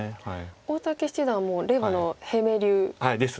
大竹七段は令和の平明流ですか？